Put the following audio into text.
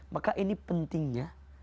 maka ini pentingnya